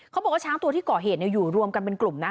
เขาบอกว่าช้างตัวที่ก่อเหตุอยู่รวมกันเป็นกลุ่มนะ